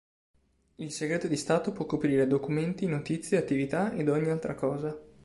Il segreto di stato può coprire "documenti, notizie, attività ed ogni altra cosa".